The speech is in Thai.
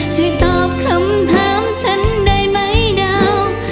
ช่วยตอบคำถามฉันได้ไหมดาว